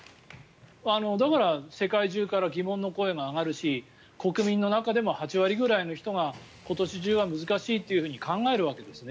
だから、世界中から疑問の声が上がるし国民の中でも８割ぐらいの人が今年中は難しいというふうに考えるわけですね。